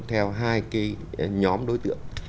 theo hai cái nhóm đối tượng